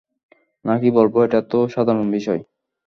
নাকি বলব এটাতো সাধারণ বিষয়?